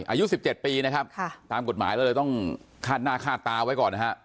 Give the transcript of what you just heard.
อายุ๑๗ปีนะครับตามกฎหมายเราเลยต้องคาดหน้าคาดตาไว้ก่อนนะฮะ